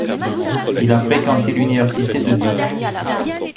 Il a fréquenté l’Université de Duke.